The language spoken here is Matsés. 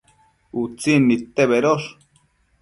Utsin nidte bedosh